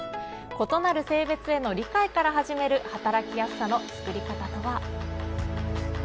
異なる性別への理解から始める働きやすさのつくり方とは。